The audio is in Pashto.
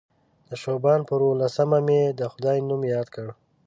د شعبان پر اووه لسمه مې د خدای نوم یاد کړ.